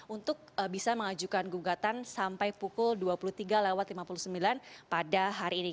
untuk bisa mengajukan gugatan sampai pukul dua puluh tiga lima puluh sembilan pada hari ini